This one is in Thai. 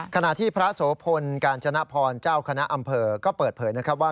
ขณะที่พระโสพลกาญจนพรเจ้าคณะอำเภอก็เปิดเผยนะครับว่า